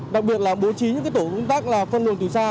đặc biệt là bố trí những tổ un tắc là phân đường từ xa